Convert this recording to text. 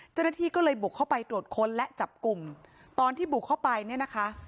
เจ้าหน้าที่ก็เลยบุกเข้าไปตรวจค้นและจับกลุ่มตอนที่บุกเข้าไปเนี่ยนะคะ